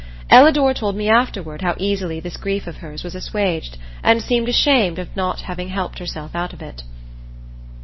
Ellador told me afterward how easily this grief of hers was assuaged, and seemed ashamed of not having helped herself out of it.